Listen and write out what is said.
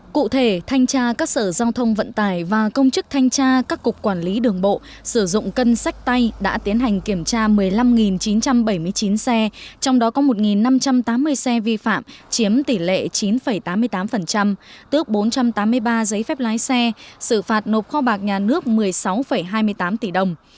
cụ thể thanh tra các sở giao thông vận tải và công chức thanh tra các cục quản lý đường bộ sử dụng cân sách tay đã tiến hành kiểm tra một mươi năm chín trăm bảy mươi chín xe trong đó có một năm trăm tám mươi xe vi phạm chiếm tỷ lệ chín tám mươi tám tức bốn trăm tám mươi ba giấy phép lái xe xử phạt nộp kho bạc nhà nước một mươi sáu hai mươi tám tỷ đồng